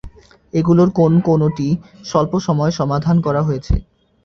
এগুলোর কোন কোনটি স্বল্প সময়ে সমাধান করা হয়েছে।